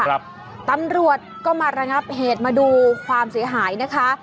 ตำรวจก็มาระงับเหตุมาดูความเสียหายนะคะ